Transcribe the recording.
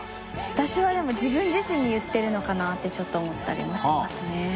私はでも自分自身に言ってるのかなってちょっと思ったりもしますね。